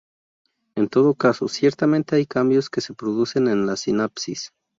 En todo caso, ciertamente hay cambios que se producen en la sinapsis.